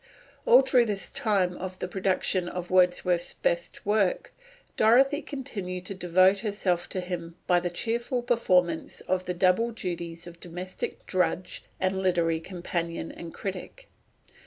All through this time of the production of Wordsworth's best work, Dorothy continued to devote herself to him by the cheerful performance of the double duties of domestic drudge and literary companion and critic.